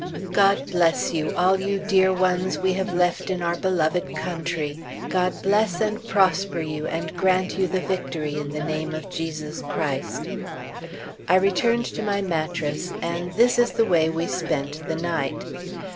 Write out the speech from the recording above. God bless you, all you dear ones we have left in our beloved country! God bless and prosper you, and grant you the victory in the name of Jesus Christ. I returned to my mattress, and this is the way we spent the night.